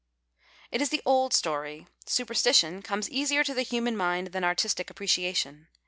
It is the old story. Superstition comes easier to the human mind than artistic appreciation.